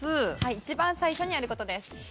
一番最初にやる事です。